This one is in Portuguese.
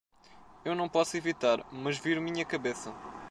Eu não posso evitar, mas viro minha cabeça.